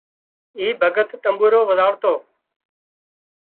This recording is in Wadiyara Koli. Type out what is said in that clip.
اِي ڀڳت تمٻورو وزاۯتو